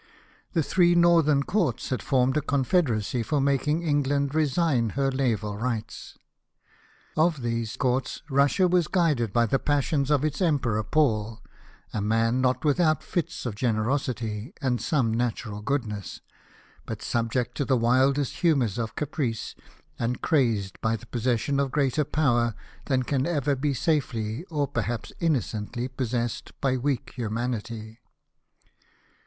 The three northern courts had formed a confederacy for making England resign her naval rights. Of these courts Russia was guided by the passions of its emperor Paul, a man not without fits of generosity and some natural goodness, but subject to the wildest humours of caprice, and crazed by the possession of greater power than can ever be safely, or perhaps innocently, possessed by weak humanity.